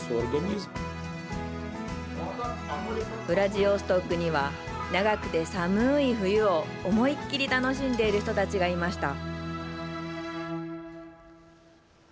ウラジオストクには長くて寒い冬を思い切り楽しんでいる人たちがいました。